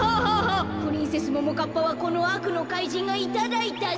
プリンセスももかっぱはこのあくのかいじんがいただいたぞ。